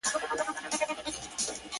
• یو او مهم علت یې دا دی -